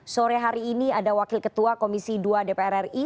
sore hari ini ada wakil ketua komisi dua dpr ri